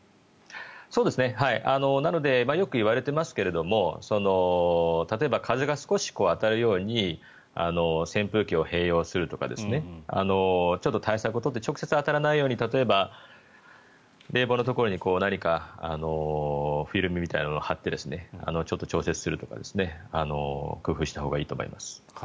そうですねなのでよく言われていますが例えば風が少し当たるように扇風機を併用するとかちょっと対策を取って直接当たらないように例えば、冷房のところに何かフィルムみたいなのを張って調節するとか工夫したほうがいいと思います。